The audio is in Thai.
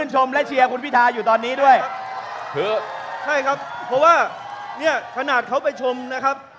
ใช่ครับเพราะว่าเนี่ยขนาดเขาไปชมนะครับ